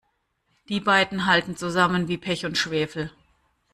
Die beiden halten zusammen wie Pech und Schwefel.